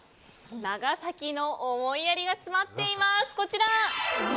長崎の思いやりが詰まっていますこちら！